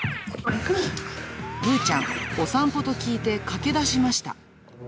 ぶーちゃん、お散歩と聞いて駆け出しました。